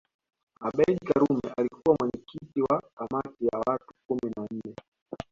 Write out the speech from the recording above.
Abeid Karume alikuwa mwenyekiti wa kamati ya watu kumi na nne